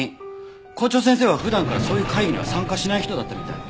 校長先生は普段からそういう会議には参加しない人だったみたい。